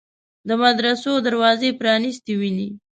د مدرسو دروازې پرانیستې ویني.